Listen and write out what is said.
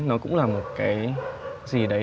nó cũng là một cái gì đấy